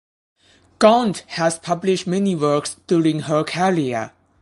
Gaunt has published many works during her career.